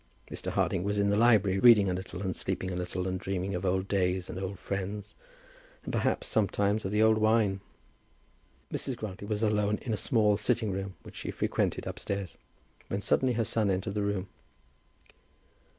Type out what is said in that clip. Mr. Harding was in the library reading a little and sleeping a little, and dreaming of old days and old friends, and perhaps, sometimes, of the old wine. Mrs. Grantly was alone in a small sitting room which she frequented upstairs, when suddenly her son entered the room.